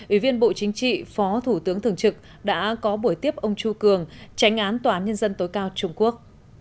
ủy viên bộ chính trị phó thủ tướng thường trực đã có buổi tiếp ông chu cường tránh án tòa án nhân dân tối cao trung quốc